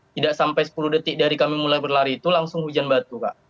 tidak sampai sepuluh detik dari kami mulai berlari itu langsung hujan batu kak